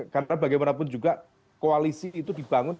karena bagaimanapun juga koalisi itu dibangun